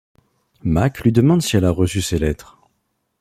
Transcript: Mac lui demande si elle a reçu ses lettres.